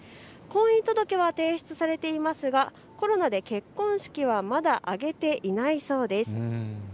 婚姻届は提出されていますがコロナで結婚式はまだ挙げていないそうです。